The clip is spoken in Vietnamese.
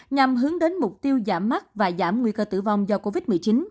nhằm hướng đến mục tiêu giảm mắt và giảm nguy cơ tử vong do covid một mươi chín